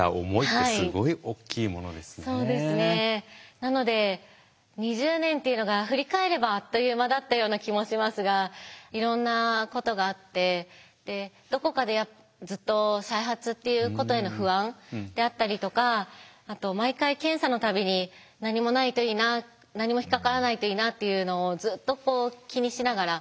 なので２０年っていうのが振り返ればあっという間だったような気もしますがいろんなことがあってでどこかでずっと再発っていうことへの不安であったりとかあと毎回検査の度に何もないといいな何も引っ掛からないといいなっていうのをずっと気にしながら。